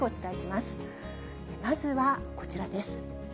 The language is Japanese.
まずはこちらです。